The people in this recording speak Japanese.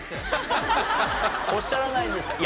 おっしゃらないんですか？